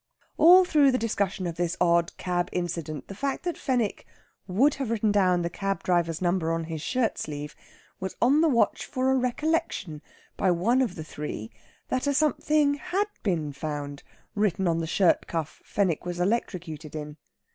All through the discussion of this odd cab incident the fact that Fenwick "would have written down the cab driver's number on his shirt sleeve," was on the watch for a recollection by one of the three that a something had been found written on the shirt cuff Fenwick was electrocuted in.